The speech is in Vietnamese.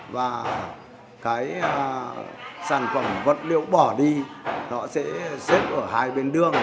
và cái sản phẩm vật liệu bỏ đi nó sẽ xếp ở hai bên đường